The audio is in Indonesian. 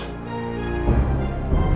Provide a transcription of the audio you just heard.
buat ngasih tau elsa ada di sini